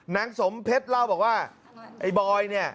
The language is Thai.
นางสมเพชรเล่าบอกว่าไอ้บอยเนี่ย